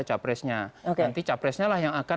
cawapresnya nanti cawapresnya yang akan